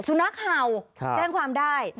สุนัข่าวแจ้งความได้